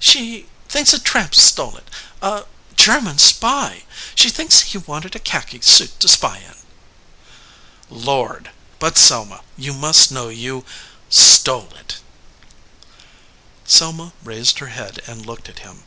She thinks a tramp stole it, a German spy. She thinks he wanted a khaki suit to spy in." "Lord ! But, Selma, you must know you stole it" Selma raised her head and looked at him.